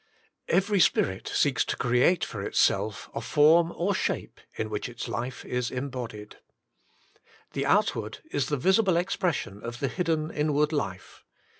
Every spirit seeks to create for itself a form or shape in which its life is embodied. The outward is the visible expression of the hidden inward life.